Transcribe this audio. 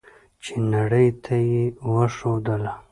چې نړۍ ته یې وښودله.